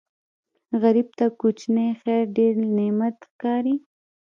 غریب ته کوچنی خیر ډېر نعمت ښکاري